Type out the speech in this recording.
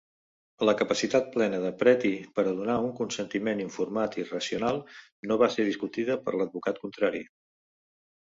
La capacitat plena de Pretty per a donar un consentiment informat i racional no va ser discutida per l'advocat contrari.